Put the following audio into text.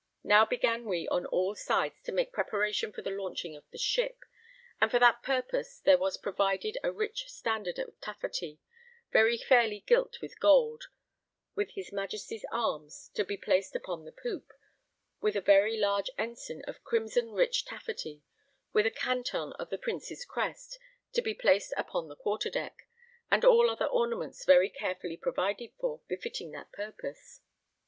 Now began we on all sides to make preparation for the launching of the ship, and for that purpose there was provided a rich standard of taffety, very fairly gilt with gold, with his Majesty's arms, to be placed upon the poop, and a very large ensign of crimson rich taffety, with a canton of the Prince's crest, to be placed upon the quarter deck, and all other ornaments were carefully provided for, befitting that purpose.